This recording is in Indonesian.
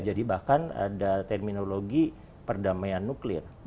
jadi bahkan ada terminologi perdamaian nuklir